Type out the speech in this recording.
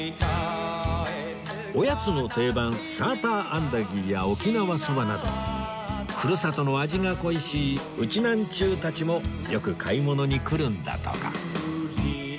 おやつの定番サーターアンダギーや沖縄そばなどふるさとの味が恋しいうちなんちゅーたちもよく買い物に来るんだとか